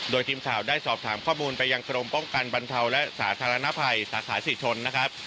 โดยทีมข่าวได้สอบถามข้อมูลไปยังกรมป้องกันบรรเทาและสาธารณภัยสาขาศรีชนนะครับ